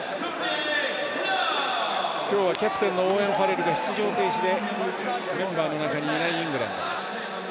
今日はキャプテンのオーウェン・ファレルが出場停止でメンバーの中にいないイングランド。